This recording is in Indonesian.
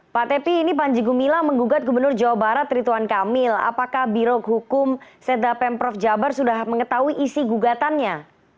pak tepi ini panji gumilang menggugat gubernur jawa barat rituan kamil apakah birok hukum seda pemprov jabar sudah mengetahui isi gugatannya